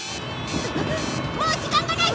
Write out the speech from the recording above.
もう時間がない！